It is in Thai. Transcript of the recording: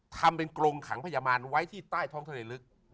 ทำเป็นกรงขังพยาบาลไว้ที่ใต้ท้องทะเลลึก